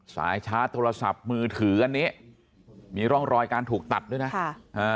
สายชาร์จโทรศัพท์มือถืออันนี้มีร่องรอยการถูกตัดด้วยนะค่ะอ่า